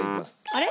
あれ？